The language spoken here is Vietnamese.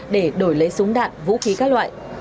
để đổi lấy súng đạn vũ khí các loại